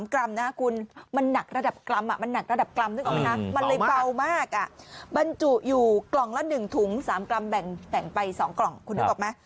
๓กรัมแบ่งไป๒กล่องคุณรู้หรือเปล่าไหม